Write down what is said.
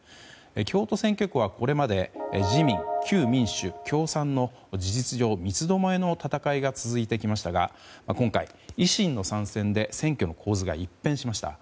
京都選挙区はこれまで自民、旧民主・共産の事実上、三つどもえの戦いが続いてきましたが今回、維新の参戦で選挙の構図が一変しました。